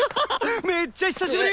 めっちゃ久しぶり！